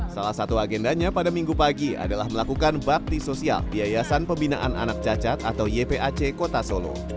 salah satu agendanya pada minggu pagi adalah melakukan bakti sosial biayasan pembinaan anak cacat atau ypac kota solo